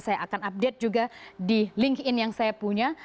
saya akan update juga di linkedin yang saya punya